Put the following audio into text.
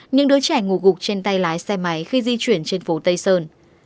những đứa trẻ ngủ gục trên tay lái xe máy khi di chuyển trên phố tây sơn